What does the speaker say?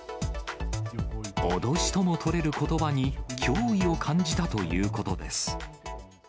脅しともとれることばに脅威を感じたということです。